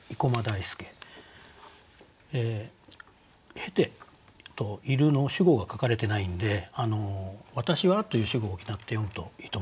「経て」と「ゐる」の主語が書かれてないんで「私は」という主語を補って読むといいと思うんですよね。